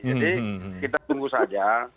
jadi kita tunggu saja